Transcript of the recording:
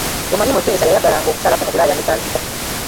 Omanyi Mutesa yayagalanga okukyalako mu Bulaaya n'e Zanzibar.